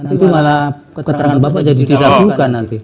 nanti malah peterangan bapak jadi tidak terungkan nanti